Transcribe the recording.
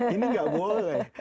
ini tidak boleh